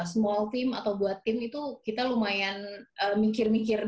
small team atau buat tim itu kita lumayan mikir mikir